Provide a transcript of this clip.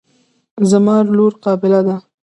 زما لور قابله ده.